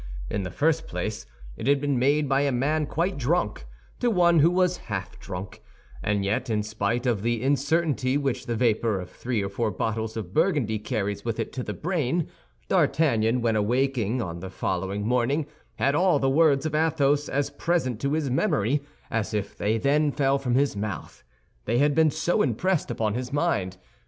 In the first place it had been made by a man quite drunk to one who was half drunk; and yet, in spite of the incertainty which the vapor of three or four bottles of Burgundy carries with it to the brain, D'Artagnan, when awaking on the following morning, had all the words of Athos as present to his memory as if they then fell from his mouth—they had been so impressed upon his mind.